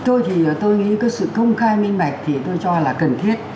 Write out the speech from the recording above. tôi thì tôi nghĩ cái sự công khai minh bạch thì tôi cho là cần thiết